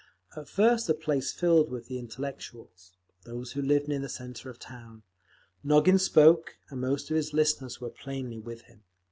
At first the place filled with the intellectuals—those who lived near the centre of the town. Nogin spoke, and most of his listeners were plainly with him.